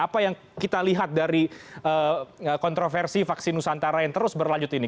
apa yang kita lihat dari kontroversi vaksin nusantara yang terus berlanjut ini